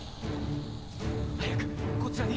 早くこちらに！